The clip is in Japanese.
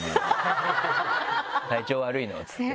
「体調悪いの？」っつって。